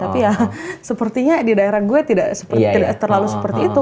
tapi ya sepertinya di daerah gue tidak terlalu seperti itu